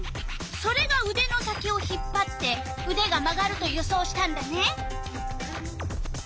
それがうでの先を引っぱってうでが曲がると予想したんだね。